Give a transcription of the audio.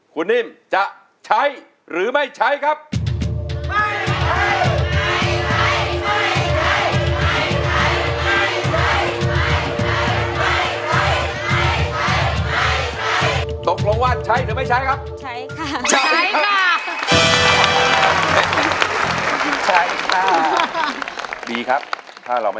คุณนิ่มจะใช้หรือไม่ใช้ครับ